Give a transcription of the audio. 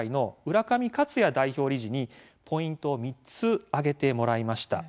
浦上克哉代表理事にポイントを３つ挙げてもらいました。